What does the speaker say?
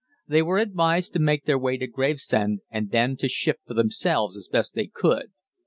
They were advised to make their way to Gravesend, and then to shift for themselves as best they could.